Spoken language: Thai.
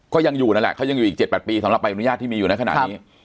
ก็ยังอยู่นั่นแหละเขายังอยู่อีก๗๘ปีสำหรับใบอนุญาตที่มีอยู่ในขณะนี้